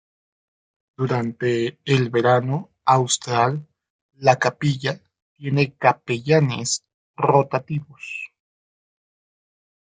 Durante el verano austral la capilla tiene capellanes rotativos.